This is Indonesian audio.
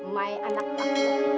my anak takut